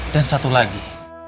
dan satu lagi